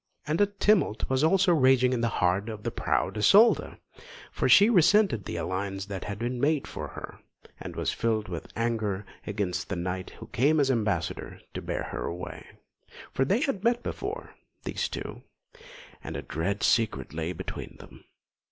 And a tumult was also raging in the heart of the proud Isolda, for she resented the alliance that had been made for her, and was filled with anger against the knight who came as ambassador to bear her away. For they had met before, these two, and a dread secret lay between them.